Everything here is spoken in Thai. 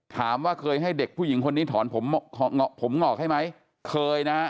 ถามว่าเคยให้เด็กผู้หญิงคนนี้ถอนผมงอกให้ไหมเคยนะฮะ